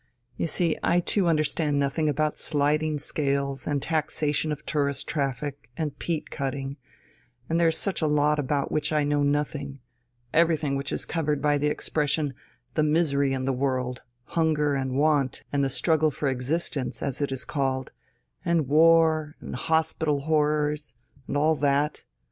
You see, I too understand nothing about sliding scales and taxation of tourist traffic and peat cutting, and there is such a lot about which I know nothing everything which is covered by the expression 'the misery in the world' hunger and want, and the struggle for existence, as it is called, and war and hospital horrors, and all that.